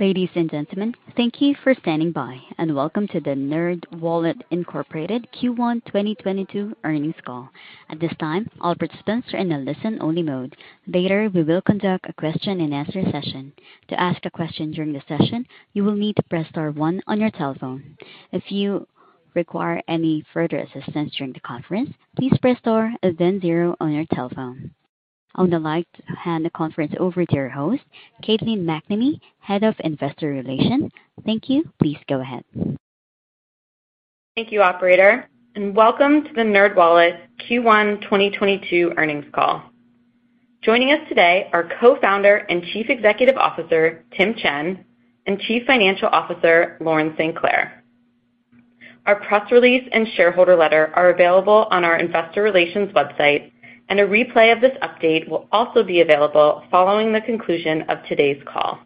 Ladies and gentlemen, thank you for standing by, and welcome to the NerdWallet, Inc. Q1 2022 earnings call. At this time, all participants are in a listen-only mode. Later, we will conduct a question and answer session. To ask a question during the session, you will need to press star one on your telephone. If you require any further assistance during the conference, please press star then zero on your telephone. I would like to hand the conference over to your host, Caitlin MacNamee, Head of Investor Relations. Thank you. Please go ahead. Thank you, operator, and welcome to the NerdWallet Q1 2022 earnings call. Joining us today are Co-founder and Chief Executive Officer, Tim Chen, and Chief Financial Officer, Lauren StClair. Our press release and shareholder letter are available on our investor relations website, and a replay of this update will also be available following the conclusion of today's call.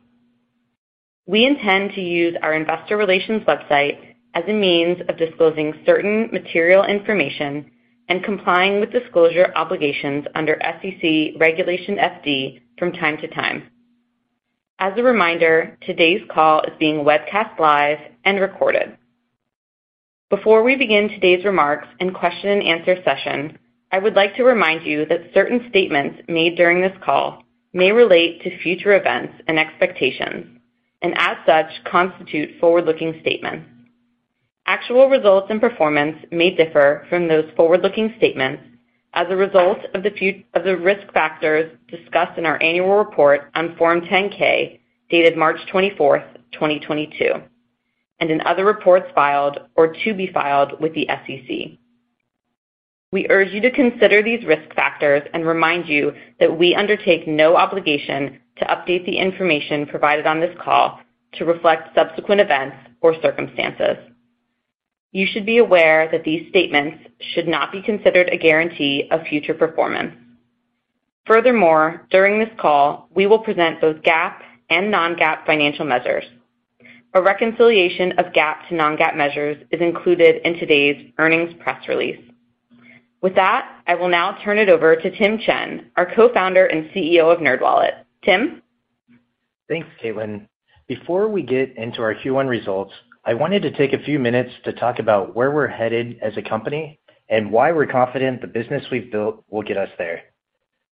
We intend to use our investor relations website as a means of disclosing certain material information and complying with disclosure obligations under SEC Regulation FD from time to time. As a reminder, today's call is being webcast live and recorded. Before we begin today's remarks and question and answer session, I would like to remind you that certain statements made during this call may relate to future events and expectations, and as such, constitute forward-looking statements. Actual results and performance may differ from those forward-looking statements as a result of the risk factors discussed in our annual report on Form 10-K, dated March 24th, 2022, and in other reports filed or to be filed with the SEC. We urge you to consider these risk factors and remind you that we undertake no obligation to update the information provided on this call to reflect subsequent events or circumstances. You should be aware that these statements should not be considered a guarantee of future performance. Furthermore, during this call, we will present both GAAP and non-GAAP financial measures. A reconciliation of GAAP to non-GAAP measures is included in today's earnings press release. With that, I will now turn it over to Tim Chen, our co-founder and CEO of NerdWallet. Tim. Thanks, Caitlin. Before we get into our Q1 results, I wanted to take a few minutes to talk about where we're headed as a company and why we're confident the business we've built will get us there.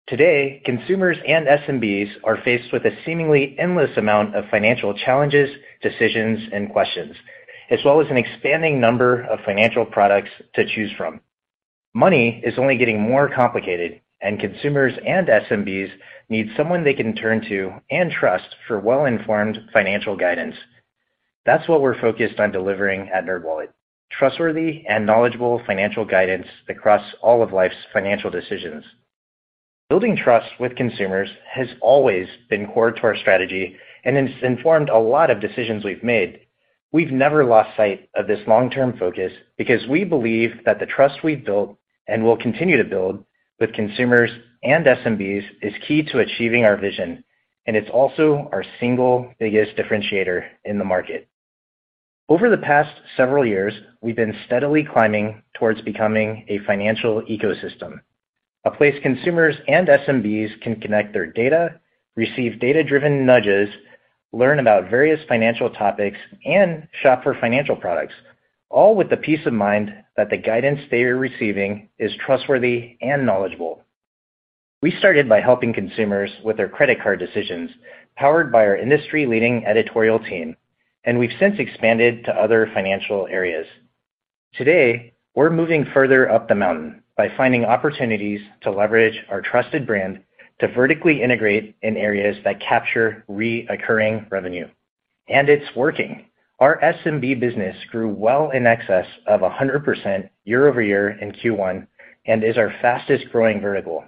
Today, consumers and SMBs are faced with a seemingly endless amount of financial challenges, decisions, and questions, as well as an expanding number of financial products to choose from. Money is only getting more complicated, and consumers and SMBs need someone they can turn to and trust for well-informed financial guidance. That's what we're focused on delivering at NerdWallet, trustworthy and knowledgeable financial guidance across all of life's financial decisions. Building trust with consumers has always been core to our strategy and has informed a lot of decisions we've made. We've never lost sight of this long-term focus because we believe that the trust we've built and will continue to build with consumers and SMBs is key to achieving our vision, and it's also our single biggest differentiator in the market. Over the past several years, we've been steadily climbing towards becoming a financial ecosystem, a place consumers and SMBs can connect their data, receive data-driven nudges, learn about various financial topics, and shop for financial products, all with the peace of mind that the guidance they are receiving is trustworthy and knowledgeable. We started by helping consumers with their credit card decisions powered by our industry-leading editorial team, and we've since expanded to other financial areas. Today, we're moving further up the mountain by finding opportunities to leverage our trusted brand to vertically integrate in areas that capture recurring revenue, and it's working. Our SMB business grew well in excess of 100% year-over-year in Q1 and is our fastest-growing vertical.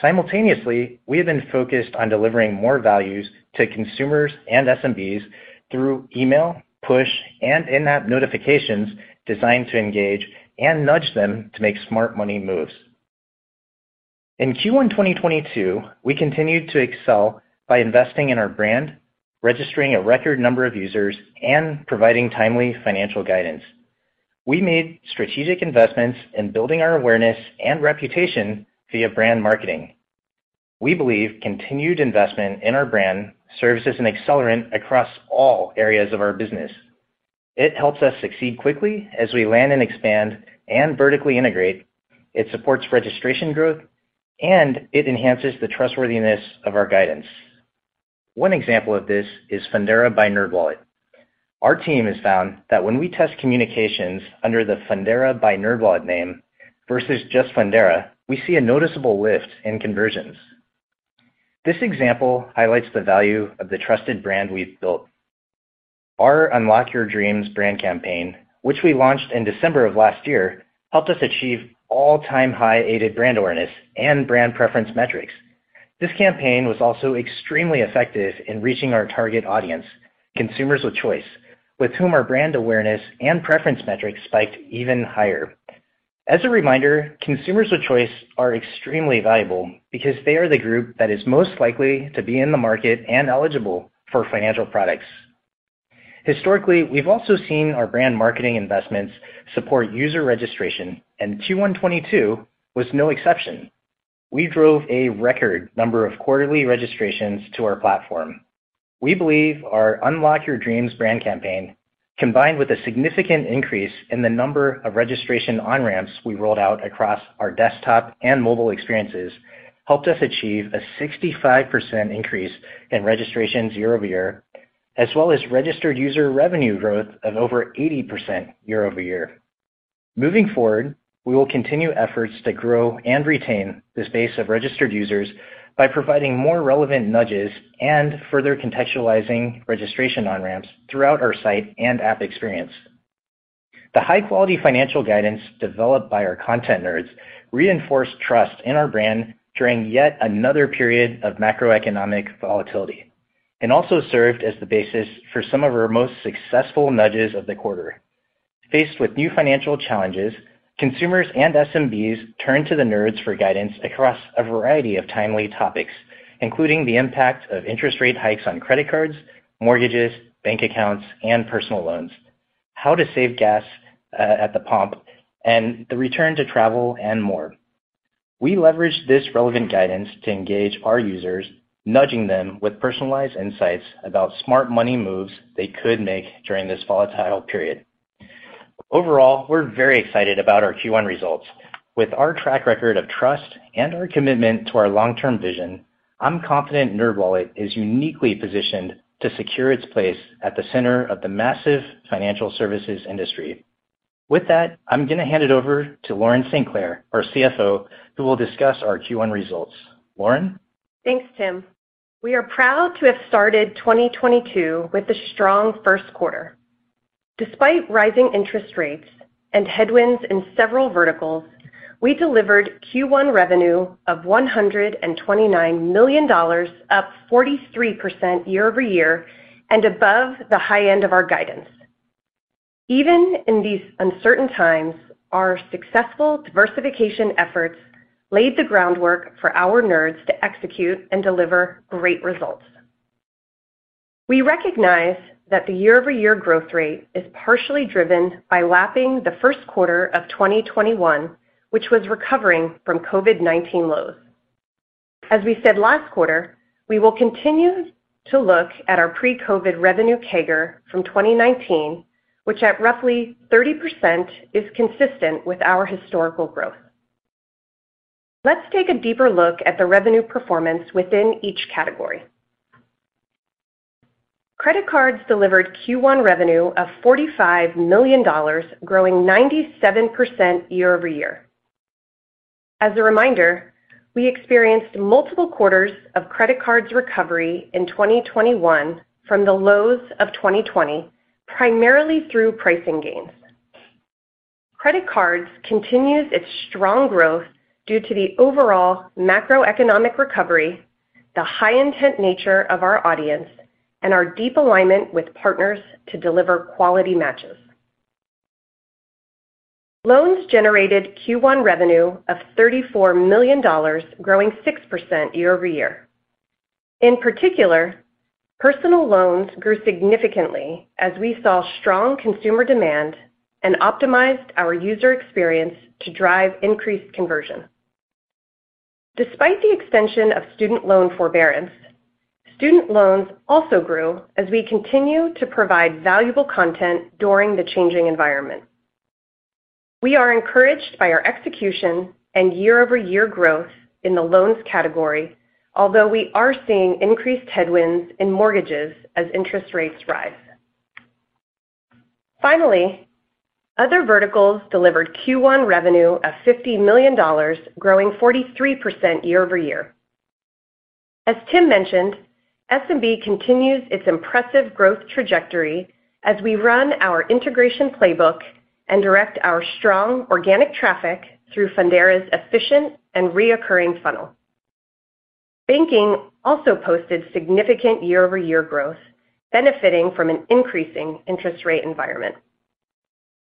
Simultaneously, we have been focused on delivering more values to consumers and SMBs through email, push, and in-app notifications designed to engage and nudge them to make smart money moves. In Q1 2022, we continued to excel by investing in our brand, registering a record number of users, and providing timely financial guidance. We made strategic investments in building our awareness and reputation via brand marketing. We believe continued investment in our brand serves as an accelerant across all areas of our business. It helps us succeed quickly as we land and expand and vertically integrate. It supports registration growth, and it enhances the trustworthiness of our guidance. One example of this is Fundera by NerdWallet. Our team has found that when we test communications under the Fundera by NerdWallet name versus just Fundera, we see a noticeable lift in conversions. This example highlights the value of the trusted brand we've built. Our Unlock Your Dreams brand campaign, which we launched in December of last year, helped us achieve all-time high aided brand awareness and brand preference metrics. This campaign was also extremely effective in reaching our target audience, consumers with choice, with whom our brand awareness and preference metrics spiked even higher. As a reminder, consumers with choice are extremely valuable because they are the group that is most likely to be in the market and eligible for financial products. Historically, we've also seen our brand marketing investments support user registration, and Q1 2022 was no exception. We drove a record number of quarterly registrations to our platform. We believe our Unlock Your Dreams brand campaign, combined with a significant increase in the number of registration on-ramps we rolled out across our desktop and mobile experiences, helped us achieve a 65% increase in registrations year-over-year as well as registered user revenue growth of over 80% year-over-year. Moving forward, we will continue efforts to grow and retain this base of registered users by providing more relevant nudges and further contextualizing registration on-ramps throughout our site and app experience. The high-quality financial guidance developed by our content Nerds reinforced trust in our brand during yet another period of macroeconomic volatility, and also served as the basis for some of our most successful nudges of the quarter. Faced with new financial challenges, consumers and SMBs turned to the Nerds for guidance across a variety of timely topics, including the impact of interest rate hikes on credit cards, mortgages, bank accounts, and personal loans, how to save gas at the pump, and the return to travel and more. We leveraged this relevant guidance to engage our users, nudging them with personalized insights about smart money moves they could make during this volatile period. Overall, we're very excited about our Q1 results. With our track record of trust and our commitment to our long-term vision, I'm confident NerdWallet is uniquely positioned to secure its place at the center of the massive financial services industry. With that, I'm gonna hand it over to Lauren StClair, our CFO, who will discuss our Q1 results. Lauren? Thanks, Tim. We are proud to have started 2022 with a strong first quarter. Despite rising interest rates and headwinds in several verticals, we delivered Q1 revenue of $129 million, up 43% year-over-year and above the high end of our guidance. Even in these uncertain times, our successful diversification efforts laid the groundwork for our Nerds to execute and deliver great results. We recognize that the year-over-year growth rate is partially driven by lapping the first quarter of 2021, which was recovering from COVID-19 lows. As we said last quarter, we will continue to look at our pre-COVID revenue CAGR from 2019, which at roughly 30% is consistent with our historical growth. Let's take a deeper look at the revenue performance within each category. Credit cards delivered Q1 revenue of $45 million, growing 97% year-over-year. As a reminder, we experienced multiple quarters of credit cards recovery in 2021 from the lows of 2020, primarily through pricing gains. Credit cards continues its strong growth due to the overall macroeconomic recovery, the high intent nature of our audience, and our deep alignment with partners to deliver quality matches. Loans generated Q1 revenue of $34 million, growing 6% year-over-year. In particular, personal loans grew significantly as we saw strong consumer demand and optimized our user experience to drive increased conversion. Despite the extension of student loan forbearance, student loans also grew as we continue to provide valuable content during the changing environment. We are encouraged by our execution and year-over-year growth in the loans category, although we are seeing increased headwinds in mortgages as interest rates rise. Other verticals delivered Q1 revenue of $50 million, growing 43% year-over-year. As Tim mentioned, SMB continues its impressive growth trajectory as we run our integration playbook and direct our strong organic traffic through Fundera's efficient and recurring funnel. Banking also posted significant year-over-year growth, benefiting from an increasing interest rate environment.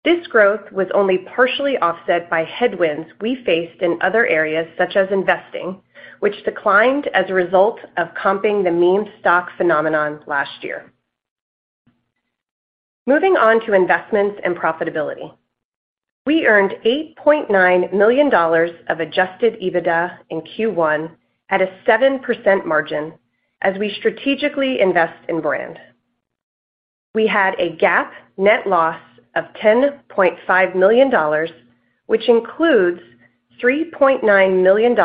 This growth was only partially offset by headwinds we faced in other areas such as investing, which declined as a result of comping the meme stock phenomenon last year. Moving on to investments and profitability. We earned $8.9 million of Adjusted EBITDA in Q1 at a 7% margin as we strategically invest in brand. We had a GAAP net loss of $10.5 million, which includes $3.9 million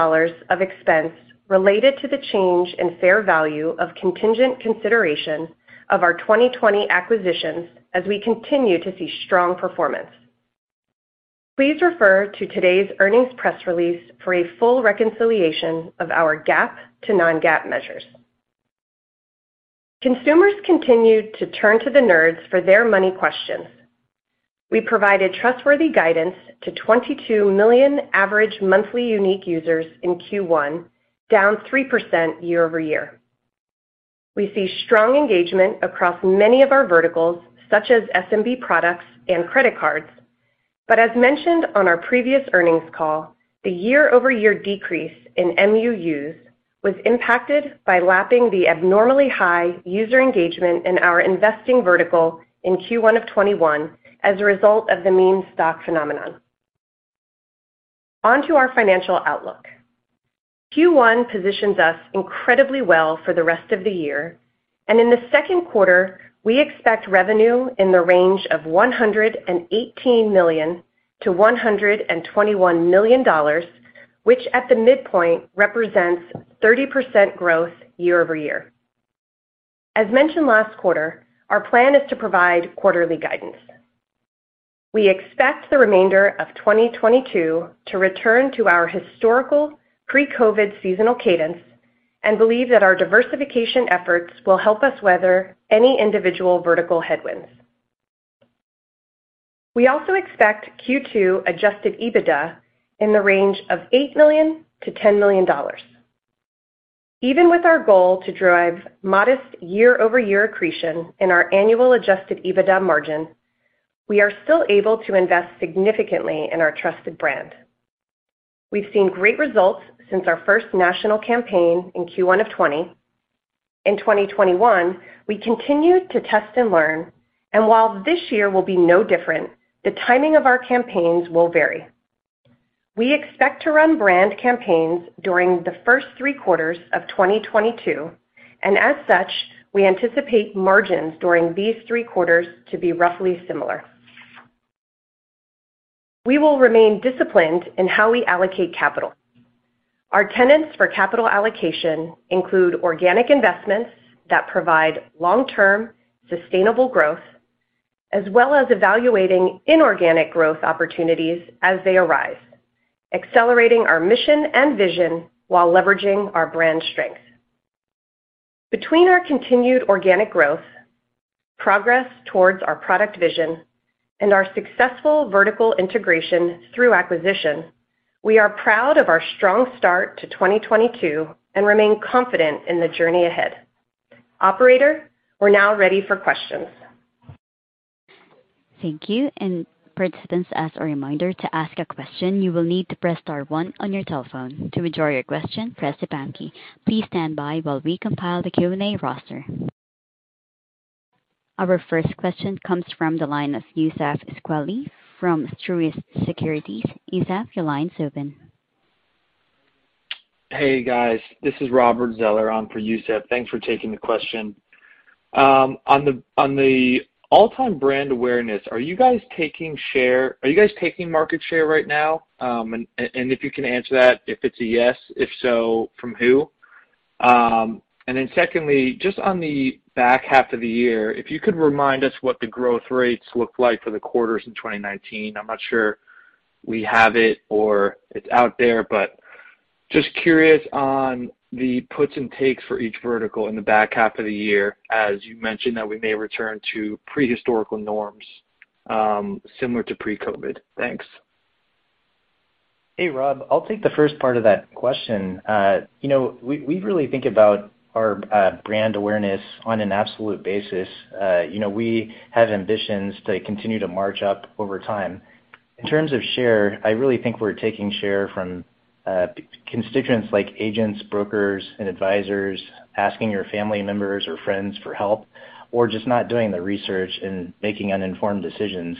of expense related to the change in fair value of contingent consideration of our 2020 acquisitions as we continue to see strong performance. Please refer to today's earnings press release for a full reconciliation of our GAAP to non-GAAP measures. Consumers continued to turn to the Nerds for their money questions. We provided trustworthy guidance to 22 million average monthly unique users in Q1, down 3% year-over-year. We see strong engagement across many of our verticals, such as SMB products and credit cards. As mentioned on our previous earnings call, the year-over-year decrease in MUUs was impacted by lapping the abnormally high user engagement in our investing vertical in Q1 of 2021 as a result of the meme stock phenomenon. On to our financial outlook. Q1 positions us incredibly well for the rest of the year. In the second quarter, we expect revenue in the range of $118 million-$121 million, which at the midpoint represents 30% growth year-over-year. As mentioned last quarter, our plan is to provide quarterly guidance. We expect the remainder of 2022 to return to our historical pre-COVID seasonal cadence and believe that our diversification efforts will help us weather any individual vertical headwinds. We also expect Q2 Adjusted EBITDA in the range of $8 million-$10 million. Even with our goal to drive modest year-over-year accretion in our annual Adjusted EBITDA margin, we are still able to invest significantly in our trusted brand. We've seen great results since our first national campaign in Q1 of 2020. In 2021, we continued to test and learn. While this year will be no different, the timing of our campaigns will vary. We expect to run brand campaigns during the first three quarters of 2022, and as such, we anticipate margins during these three quarters to be roughly similar. We will remain disciplined in how we allocate capital. Our tenets for capital allocation include organic investments that provide long-term sustainable growth, as well as evaluating inorganic growth opportunities as they arise, accelerating our mission and vision while leveraging our brand strength. Between our continued organic growth, progress towards our product vision, and our successful vertical integration through acquisition, we are proud of our strong start to 2022 and remain confident in the journey ahead. Operator, we're now ready for questions. Thank you. Participants, as a reminder, to ask a question, you will need to press star one on your telephone. To withdraw your question, press the pound key. Please stand by while we compile the Q&A roster. Our first question comes from the line of Youssef Squali from Truist Securities. Youssef, your line's open. Hey, guys. This is Robert Zeller on for Youssef. Thanks for taking the question. On the all-time brand awareness, are you guys taking market share right now? If you can answer that, if it's a yes, if so, from who? Secondly, just on the back half of the year, if you could remind us what the growth rates looked like for the quarters in 2019. I'm not sure we have it or it's out there, but just curious on the puts and takes for each vertical in the back half of the year, as you mentioned that we may return to historical norms similar to pre-COVID. Thanks. Hey, Rob. I'll take the first part of that question. You know, we really think about our brand awareness on an absolute basis. You know, we have ambitions to continue to march up over time. In terms of share, I really think we're taking share from constituents like agents, brokers, and advisors, asking your family members or friends for help or just not doing the research and making uninformed decisions.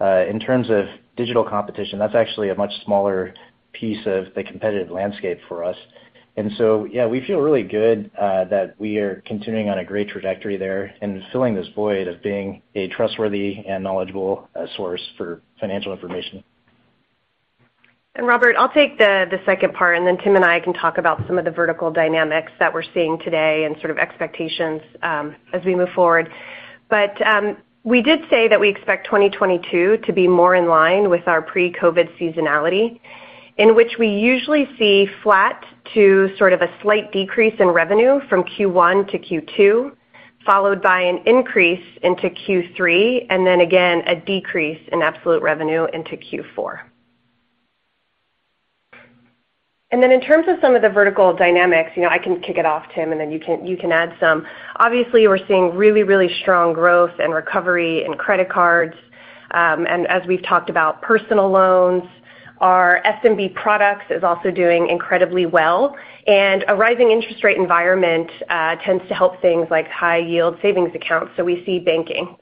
In terms of digital competition, that's actually a much smaller piece of the competitive landscape for us. Yeah, we feel really good that we are continuing on a great trajectory there and filling this void of being a trustworthy and knowledgeable source for financial information. Robert, I'll take the second part, and then Tim and I can talk about some of the vertical dynamics that we're seeing today and sort of expectations as we move forward. We did say that we expect 2022 to be more in line with our pre-COVID seasonality, in which we usually see flat to sort of a slight decrease in revenue from Q1 to Q2, followed by an increase into Q3, and then again a decrease in absolute revenue into Q4. In terms of some of the vertical dynamics, you know, I can kick it off, Tim, and then you can add some. Obviously, we're seeing really strong growth and recovery in credit cards. As we've talked about personal loans, our SMB products is also doing incredibly well. A rising interest rate environment tends to help things like high-yield savings accounts, so we see banking.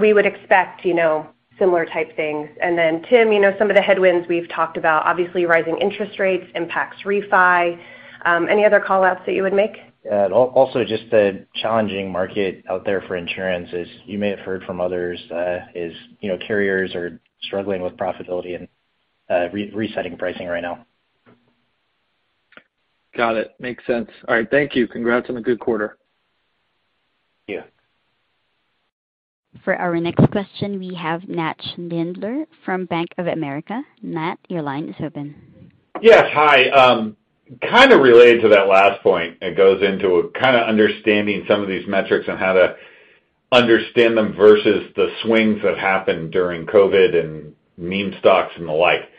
We would expect, you know, similar type things. Then, Tim, you know, some of the headwinds we've talked about, obviously, rising interest rates impacts refi. Any other call-outs that you would make? Yeah. Also just the challenging market out there for insurance, as you may have heard from others, is, you know, carriers are struggling with profitability and resetting pricing right now. Got it. Makes sense. All right. Thank you. Congrats on a good quarter. Yeah. For our next question, we have Nat Schindler from Bank of America. Nat, your line is open. Yes. Hi. Kinda related to that last point. It goes into kinda understanding some of these metrics and how to understand them versus the swings that happened during COVID and meme stocks and the like.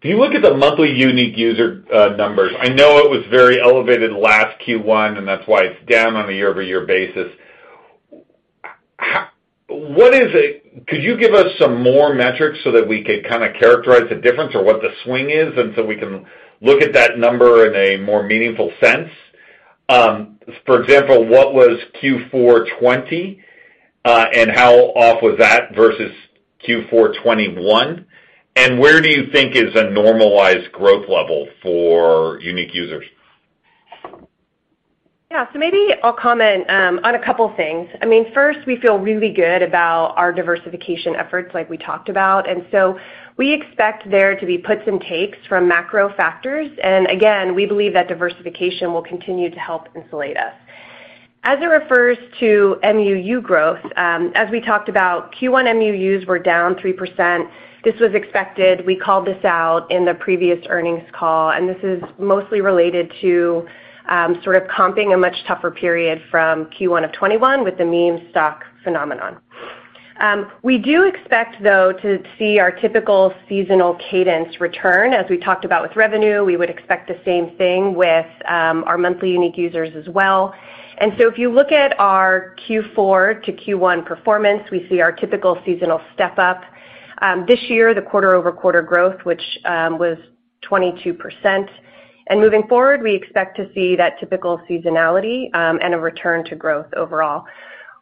If you look at the monthly unique users numbers, I know it was very elevated last Q1, and that's why it's down on a year-over-year basis. What is it? Could you give us some more metrics so that we could kinda characterize the difference or what the swing is and so we can look at that number in a more meaningful sense? For example, what was Q4 2020, and how off was that versus Q4 2021? Where do you think is a normalized growth level for unique users? Yeah. Maybe I'll comment on a couple things. I mean, first, we feel really good about our diversification efforts like we talked about. We expect there to be puts and takes from macro factors. Again, we believe that diversification will continue to help insulate us. As it refers to MUU growth, as we talked about, Q1 MUUs were down 3%. This was expected. We called this out in the previous earnings call, and this is mostly related to, sort of comping a much tougher period from Q1 of 2021 with the meme stock phenomenon. We do expect, though, to see our typical seasonal cadence return. As we talked about with revenue, we would expect the same thing with, our monthly unique users as well. If you look at our Q4 to Q1 performance, we see our typical seasonal step-up. This year, the quarter-over-quarter growth, which was 22%. Moving forward, we expect to see that typical seasonality and a return to growth overall.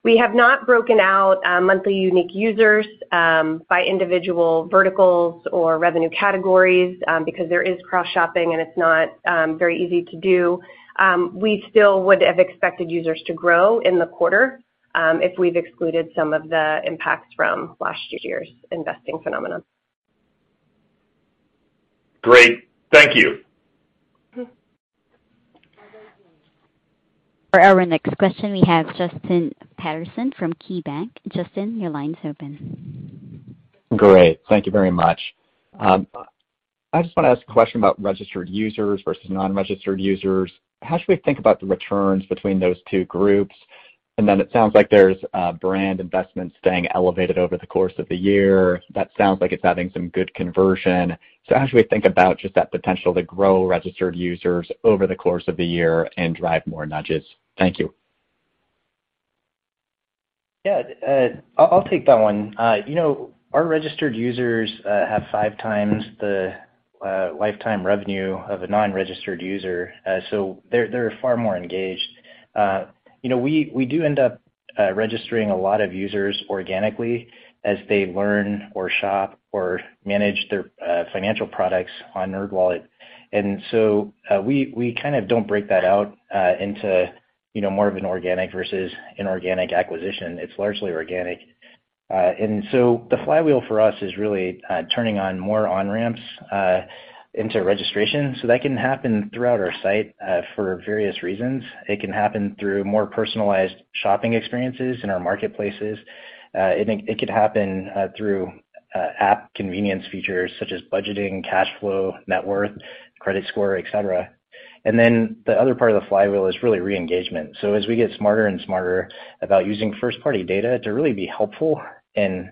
We have not broken out monthly unique users by individual verticals or revenue categories because there is cross-shopping, and it's not very easy to do. We still would have expected users to grow in the quarter if we've excluded some of the impacts from last year's investing phenomenon. Great. Thank you. Mm-hmm. For our next question, we have Justin Patterson from KeyBanc. Justin, your line is open. Great. Thank you very much. I just wanna ask a question about registered users versus non-registered users. How should we think about the returns between those two groups? It sounds like there's brand investments staying elevated over the course of the year. That sounds like it's having some good conversion. How should we think about just that potential to grow registered users over the course of the year and drive more nudges? Thank you. Yeah. I'll take that one. You know, our registered users have five times the lifetime revenue of a non-registered user. So, they're far more engaged. You know, we do end up registering a lot of users organically as they learn or shop or manage their financial products on NerdWallet. We kind of don't break that out into you know, more of an organic versus inorganic acquisition. It's largely organic. The flywheel for us is really turning on more on ramps into registration. That can happen throughout our site for various reasons. It can happen through more personalized shopping experiences in our marketplaces. It could happen through app convenience features such as budgeting, cash flow, net worth, credit score, et cetera. Then the other part of the flywheel is really re-engagement. As we get smarter and smarter about using first-party data to really be helpful in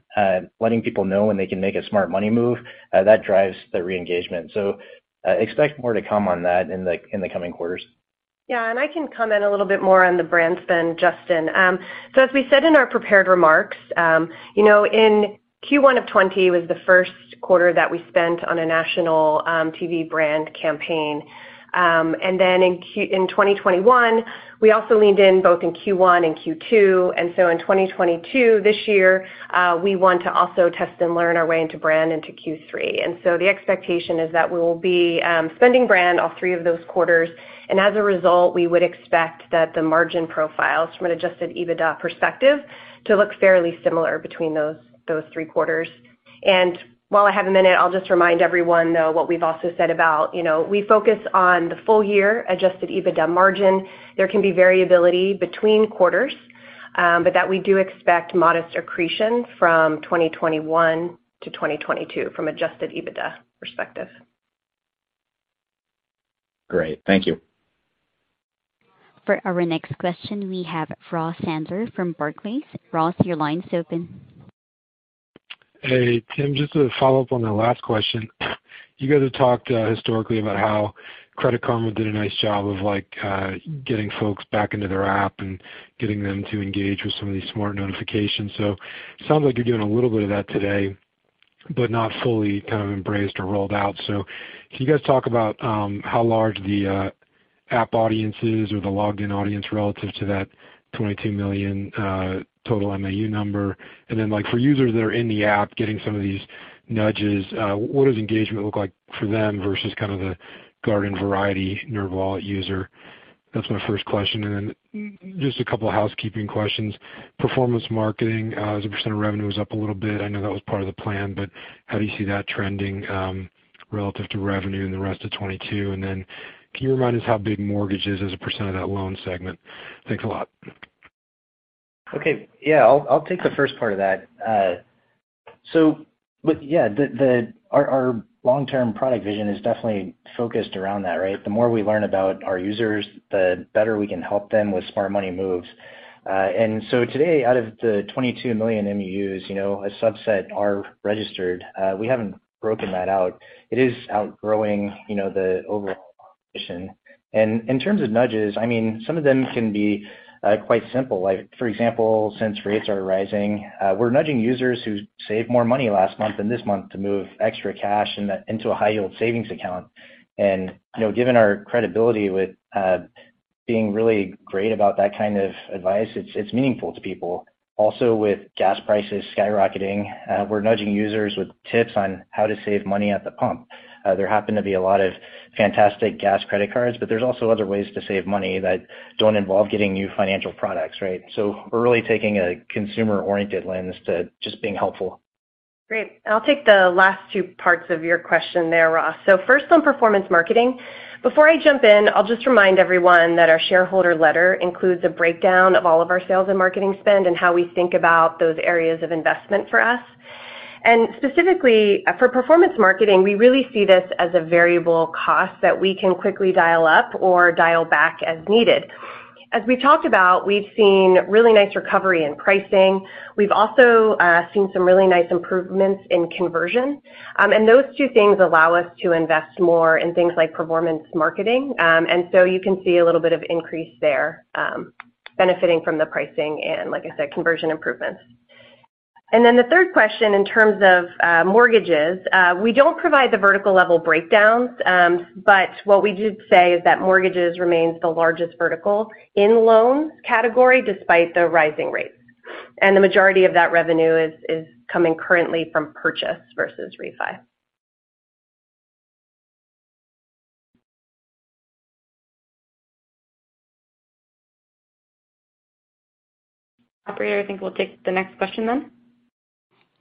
letting people know when they can make a smart money move, that drives the re-engagement. Expect more to come on that in the coming quarters. Yeah. I can comment a little bit more on the brand spend, Justin. As we said in our prepared remarks, you know, in Q1 of 2020 was the first quarter that we spent on a national TV brand campaign. In 2021, we also leaned in both in Q1 and Q2. In 2022, this year, we want to also test and learn our way into brand into Q3. The expectation is that we will be spending brand all three of those quarters. As a result, we would expect that the margin profiles from an Adjusted EBITDA perspective to look fairly similar between those three quarters. While I have a minute, I'll just remind everyone, though, what we've also said about, you know, we focus on the full year Adjusted EBITDA margin. There can be variability between quarters, but that we do expect modest accretion from 2021 to 2022 from Adjusted EBITDA perspective. Great. Thank you. For our next question, we have Ross Sandler from Barclays. Ross, your line is open. Hey, Tim, just to follow up on the last question. You guys have talked historically about how Credit Karma did a nice job of like getting folks back into their app and getting them to engage with some of these smart notifications. Sounds like you're doing a little bit of that today, but not fully kind of embraced or rolled out. Can you guys talk about how large the app audience is or the logged-in audience relative to that 22 million total MUU number? And then, like for users that are in the app getting some of these nudges, what does engagement look like for them versus kind of the garden variety NerdWallet user? That's my first question. Then just a couple of housekeeping questions. Performance marketing as a percentage of revenue was up a little bit. I know that was part of the plan, but how do you see that trending relative to revenue in the rest of 2022? Can you remind us how big mortgage is as a percent of that loan segment? Thanks a lot. Okay. Yeah. I'll take the first part of that. Our long-term product vision is definitely focused around that, right? The more we learn about our users, the better we can help them with smart money moves. Today, out of the 22 million MUUs, you know, a subset are registered. We haven't broken that out. It is outgrowing, you know, the overall. In terms of nudges, I mean, some of them can be quite simple. Like for example, since rates are rising, we're nudging users who saved more money last month and this month to move extra cash into a high-yield savings account. You know, given our credibility with being really great about that kind of advice, it's meaningful to people. Also, with gas prices skyrocketing, we're nudging users with tips on how to save money at the pump. There happen to be a lot of fantastic gas credit cards, but there's also other ways to save money that don't involve getting new financial products, right? We're really taking a consumer-oriented lens to just being helpful. Great. I'll take the last two parts of your question there, Ross. First on performance marketing. Before I jump in, I'll just remind everyone that our shareholder letter includes a breakdown of all of our sales and marketing spend and how we think about those areas of investment for us. Specifically for performance marketing, we really see this as a variable cost that we can quickly dial up or dial back as needed. As we talked about, we've seen really nice recovery in pricing. We've also seen some really nice improvements in conversion. And those two things allow us to invest more in things like performance marketing. You can see a little bit of increase there, benefiting from the pricing and like I said, conversion improvements. The third question in terms of mortgages, we don't provide the vertical level breakdowns, but what we did say is that mortgages remains the largest vertical in loan category despite the rising rates, and the majority of that revenue is coming currently from purchase versus refi. Operator, I think we'll take the next question then.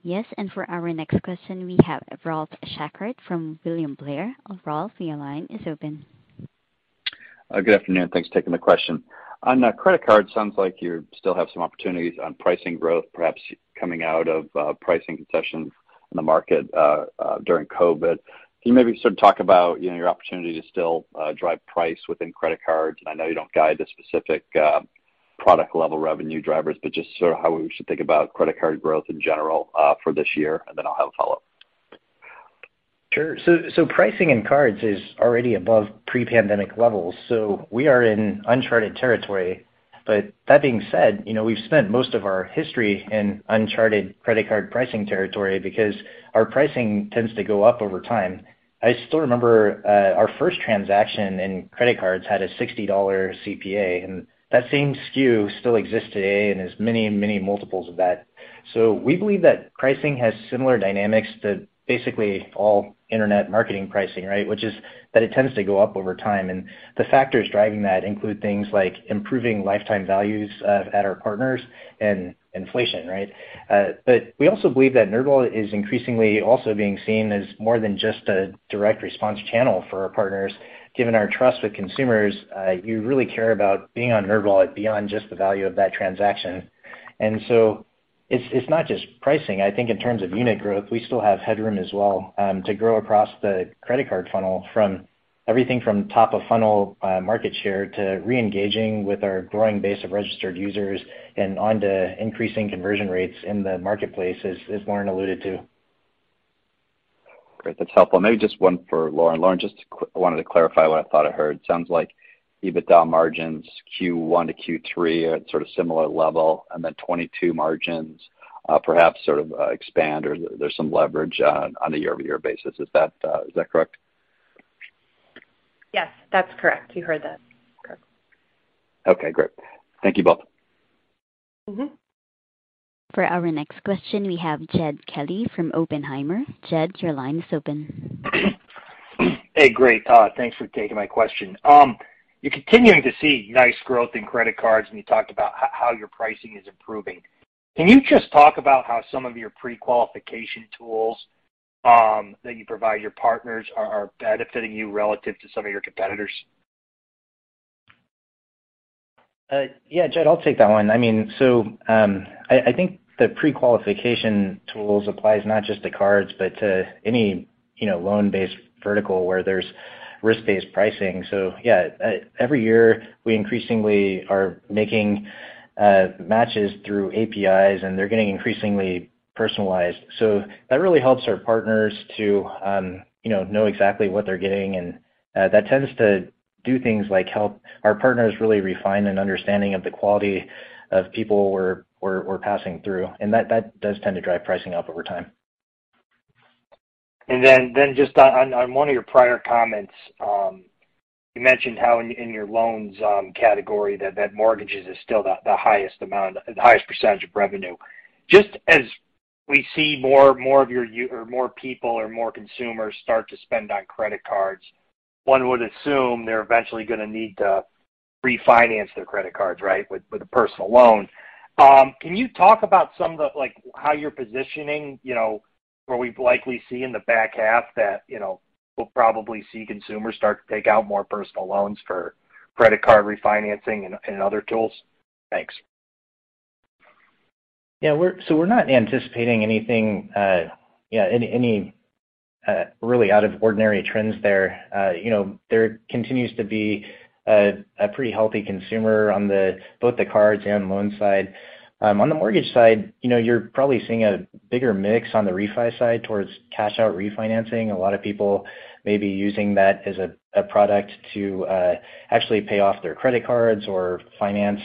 Yes. For our next question, we have Ralph Schackart from William Blair. Ralph, your line is open. Good afternoon. Thanks for taking the question. On credit card, sounds like you still have some opportunities on pricing growth perhaps coming out of pricing concessions in the market during COVID. Can you maybe sort of talk about, you know, your opportunity to still drive price within credit cards? I know you don't guide the specific product level revenue drivers, but just sort of how we should think about credit card growth in general for this year, and then I'll have a follow-up. Sure. Pricing in cards is already above pre-pandemic levels, so we are in uncharted territory. That being said, you know, we've spent most of our history in uncharted credit card pricing territory because our pricing tends to go up over time. I still remember our first transaction in credit cards had a $60 CPA, and that same SKU still exists today and is many, many multiples of that. We believe that pricing has similar dynamics to basically all internet marketing pricing, right? Which is that it tends to go up over time. The factors driving that include things like improving lifetime values at our partners and inflation, right? We also believe that NerdWallet is increasingly also being seen as more than just a direct response channel for our partners. Given our trust with consumers, you really care about being on NerdWallet beyond just the value of that transaction. It's not just pricing. I think in terms of unit growth, we still have headroom as well, to grow across the credit card funnel from everything from top of funnel, market share to re-engaging with our growing base of registered users and onto increasing conversion rates in the marketplace, as Lauren alluded to. Great. That's helpful. Maybe just one for Lauren. Lauren, I wanted to clarify what I thought I heard. Sounds like EBITDA margins Q1 to Q3 are at sort of similar level, and then 2022 margins perhaps sort of expand or there's some leverage on a year-over-year basis. Is that correct? Yes, that's correct. You heard that correctly. Okay, great. Thank you both. Mm-hmm. For our next question, we have Jed Kelly from Oppenheimer. Jed, your line is open. Hey, great. Thanks for taking my question. You're continuing to see nice growth in credit cards, and you talked about how your pricing is improving. Can you just talk about how some of your pre-qualification tools that you provide your partners are benefiting you relative to some of your competitors? Yeah, Jed, I'll take that one. I mean, I think the pre-qualification tools applies not just to cards, but to any, you know, loan-based vertical where there's risk-based pricing. Yeah, every year we increasingly are making matches through APIs, and they're getting increasingly personalized. That really helps our partners to, you know exactly what they're getting, and that tends to do things like help our partners really refine an understanding of the quality of people we're passing through. That does tend to drive pricing up over time. Just on one of your prior comments, you mentioned how in your loans category that mortgages is still the highest percentage of revenue. Just as we see more of your users or more people or more consumers start to spend on credit cards, one would assume they're eventually gonna need to refinance their credit cards, right? With a personal loan. Can you talk about some of the like how you're positioning, you know, where we'd likely see in the back half that, you know, we'll probably see consumers start to take out more personal loans for credit card refinancing and other tools? Thanks. We're not anticipating any really out of the ordinary trends there. You know, there continues to be a pretty healthy consumer on both the cards and loan side. On the mortgage side, you know, you're probably seeing a bigger mix on the refi side towards cash out refinancing. A lot of people may be using that as a product to actually pay off their credit cards or finance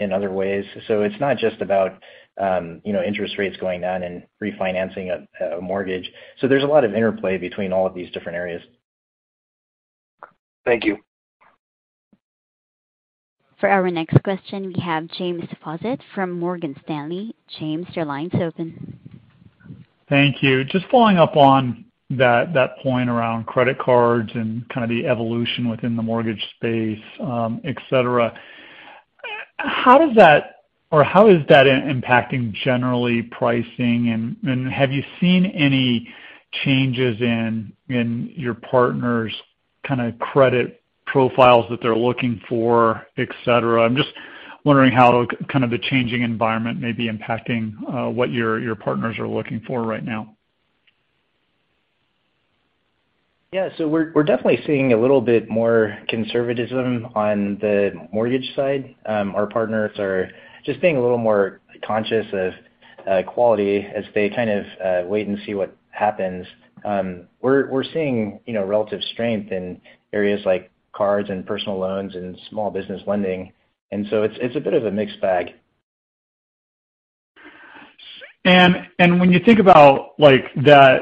in other ways. It's not just about you know, interest rates going down and refinancing a mortgage. There's a lot of interplay between all of these different areas. Thank you. For our next question, we have James Faucette from Morgan Stanley. James, your line is open. Thank you. Just following up on that point around credit cards and kinda the evolution within the mortgage space, et cetera. How does that or how is that impacting generally pricing and have you seen any changes in your partners' kinda credit profiles that they're looking for, et cetera? I'm just wondering how kind of the changing environment may be impacting what your partners are looking for right now. Yeah. We're definitely seeing a little bit more conservatism on the mortgage side. Our partners are just being a little more conscious of quality as they kind of wait and see what happens. We're seeing, you know, relative strength in areas like cards and personal loans and small business lending, and it's a bit of a mixed bag. When you think about like that.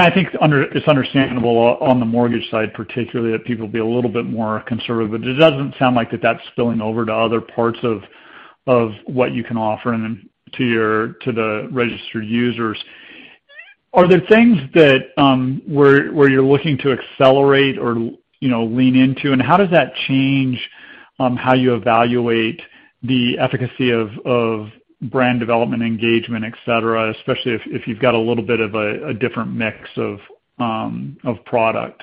I think it's understandable on the mortgage side, particularly that people would be a little bit more conservative, but it doesn't sound like that's spilling over to other parts of what you can offer and then to the registered users. Are there things that where you're looking to accelerate or, you know, lean into, and how does that change how you evaluate the efficacy of brand development, engagement, et cetera, especially if you've got a little bit of a different mix of product?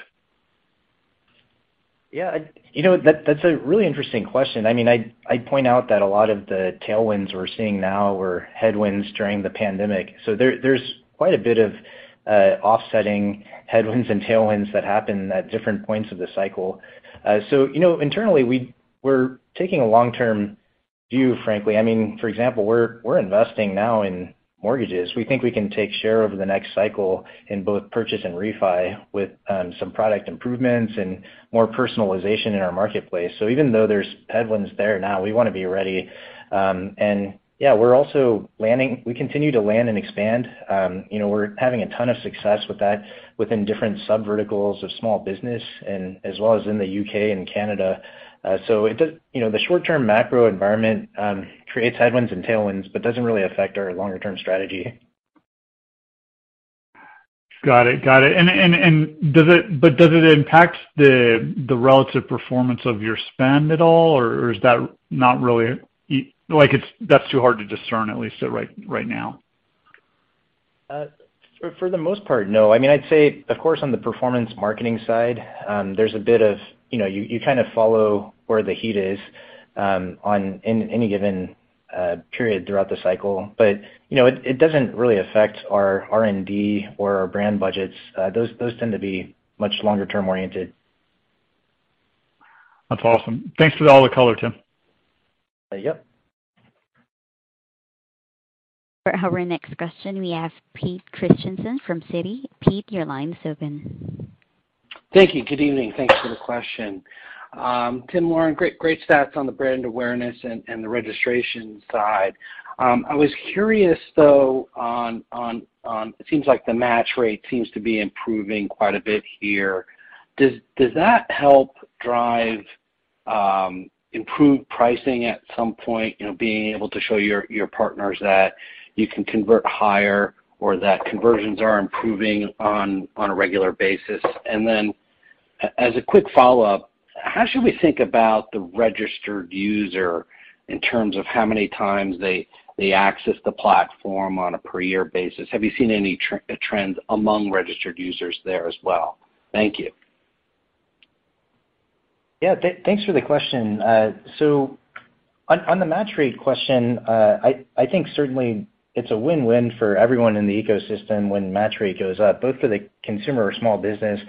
Yeah. You know, that's a really interesting question. I mean, I'd point out that a lot of the tailwinds we're seeing now were headwinds during the pandemic. There's quite a bit of offsetting headwinds and tailwinds that happen at different points of the cycle. You know, internally, we're taking a long-term view, frankly. I mean, for example, we're investing now in mortgages. We think we can take share over the next cycle in both purchase and refi with some product improvements and more personalization in our marketplace. Even though there's headwinds there now, we wanna be ready. We continue to land and expand. You know, we're having a ton of success with that within different subverticals of small business and as well as in the U.K. and Canada. It does. You know, the short-term macro environment creates headwinds and tailwinds but doesn't really affect our longer term strategy. Got it. Does it impact the relative performance of your spend at all, or is that not really like it's too hard to discern at least right now. For the most part, no. I mean, I'd say, of course, on the performance marketing side, there's a bit of, you know, you kinda follow where the heat is, on any given period throughout the cycle. You know, it doesn't really affect our R&D or our brand budgets. Those tend to be much longer term-oriented. That's awesome. Thanks for all the color, Tim. Yep. For our next question, we have Pete Christiansen from Citi. Pete, your line is open. Thank you. Good evening. Thanks for the question. Tim Chen, great stats on the brand awareness and the registration side. I was curious, though. It seems like the match rate seems to be improving quite a bit here. Does that help drive improved pricing at some point, you know, being able to show your partners that you can convert higher or that conversions are improving on a regular basis? As a quick follow-up, how should we think about the registered user in terms of how many times they access the platform on a per year basis? Have you seen any trends among registered users there as well? Thank you. Yeah. Thanks for the question. On the match rate question, I think certainly it's a win-win for everyone in the ecosystem when match rate goes up, both for the consumer or small business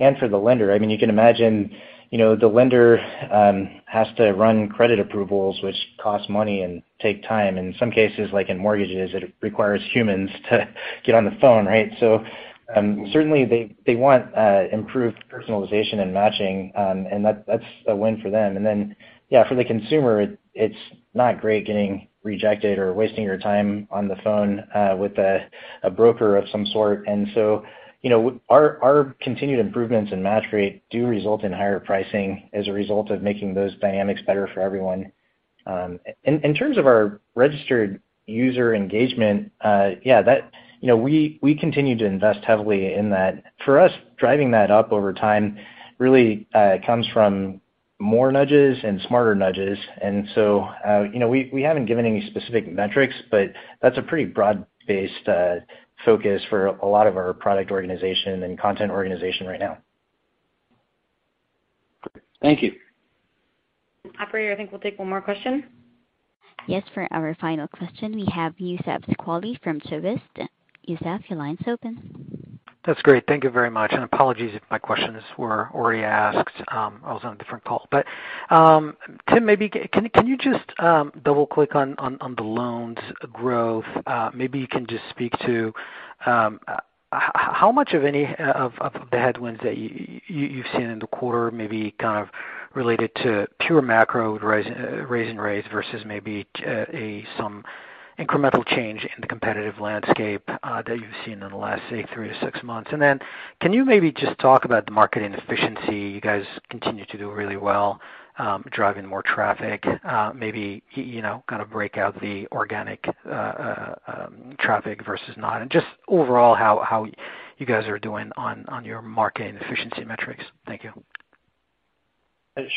and for the lender. I mean, you can imagine, you know, the lender has to run credit approvals, which cost money and take time. In some cases, like in mortgages, it requires humans to get on the phone, right? Certainly they want improved personalization and matching. That's a win for them. Yeah, for the consumer it's not great getting rejected or wasting your time on the phone with a broker of some sort. You know, our continued improvements in match rate do result in higher pricing as a result of making those dynamics better for everyone. In terms of our registered user engagement, yeah, that. You know, we continue to invest heavily in that. For us, driving that up over time really comes from more nudges and smarter nudges. You know, we haven't given any specific metrics, but that's a pretty broad-based focus for a lot of our product organization and content organization right now. Thank you. Operator, I think we'll take one more question. Yes. For our final question, we have Youssef Squali from Truist. Youssef, your line is open. That's great. Thank you very much, and apologies if my questions were already asked, I was on a different call. Tim, maybe can you just double-click on the loans growth? Maybe you can just speak to how much of any of the headwinds that you've seen in the quarter maybe kind of related to pure macro raising rates versus maybe or some incremental change in the competitive landscape that you've seen in the last, say, three to six months? Then can you maybe just talk about the marketing efficiency? You guys continue to do really well driving more traffic. Maybe you know, kind of break out the organic traffic versus not. Just overall how you guys are doing on your marketing efficiency metrics. Thank you.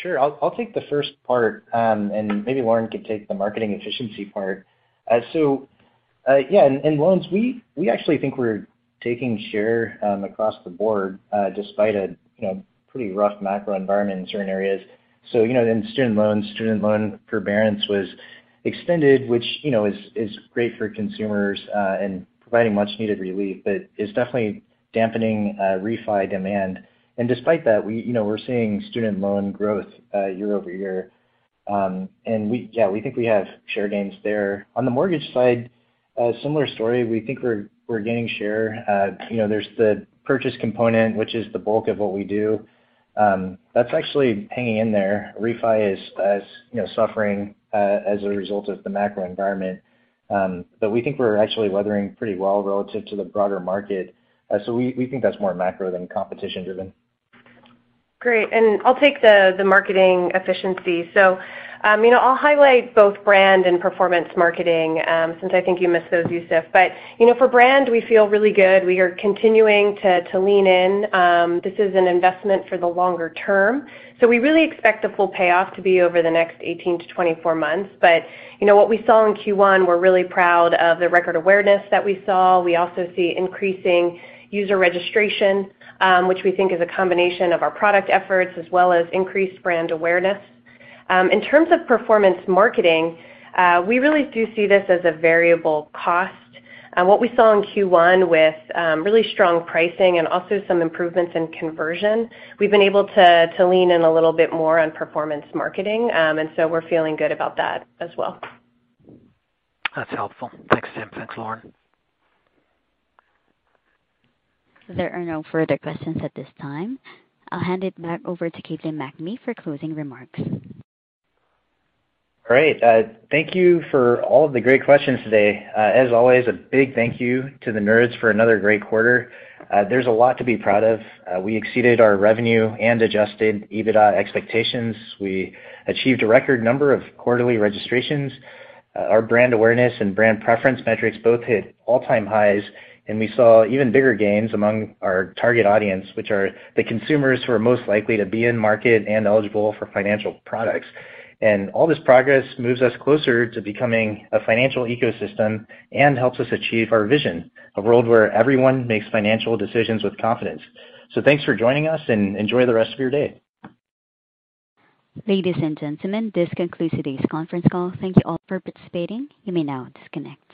Sure. I'll take the first part, and maybe Lauren could take the marketing efficiency part. Yeah, in loans, we actually think we're taking share across the board, despite a you know, pretty rough macro environment in certain areas. You know, in student loans, student loan forbearance was extended, which you know, is great for consumers and providing much needed relief, but it's definitely dampening refi demand. Despite that, we you know, we're seeing student loan growth year-over-year. Yeah, we think we have share gains there. On the mortgage side, similar story. We think we're gaining share. You know, there's the purchase component, which is the bulk of what we do, that's actually hanging in there. Refi is, as you know, suffering as a result of the macro environment, but we think we're actually weathering pretty well relative to the broader market. We think that's more macro than competition driven. Great. I'll take the marketing efficiency. you know, I'll highlight both brand and performance marketing, since I think you missed those, Youssef. you know, for brand, we feel really good. We are continuing to lean in. This is an investment for the longer term. We really expect the full payoff to be over the next 18-24 months. you know, what we saw in Q1, we're really proud of the record awareness that we saw. We also see increasing user registration, which we think is a combination of our product efforts as well as increased brand awareness. In terms of performance marketing, we really do see this as a variable cost. What we saw in Q1 with really strong pricing and also some improvements in conversion, we've been able to lean in a little bit more on performance marketing. We're feeling good about that as well. That's helpful. Thanks, Tim. Thanks, Lauren. There are no further questions at this time. I'll hand it back over to Caitlin MacNamee for closing remarks. Great. Thank you for all of the great questions today. As always, a big thank you to the Nerds for another great quarter. There's a lot to be proud of. We exceeded our revenue and Adjusted EBITDA expectations. We achieved a record number of quarterly registrations. Our brand awareness and brand preference metrics both hit all-time highs. We saw even bigger gains among our target audience, which are the consumers who are most likely to be in market and eligible for financial products. All this progress moves us closer to becoming a financial ecosystem and helps us achieve our vision, a world where everyone makes financial decisions with confidence. Thanks for joining us, and enjoy the rest of your day. Ladies and gentlemen, this concludes today's conference call. Thank you all for participating. You may now disconnect.